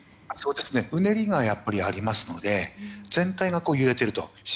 うねりがやっぱりありますので全体が静かに揺れていると。